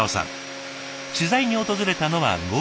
取材に訪れたのは５月。